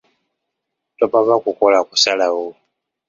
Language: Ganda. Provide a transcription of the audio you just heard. Topapa kukola kusalawo.